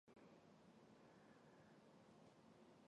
首都高速道路的业务范围是根据与机构签订的协定而进行。